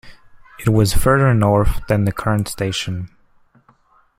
It was further north than the current station.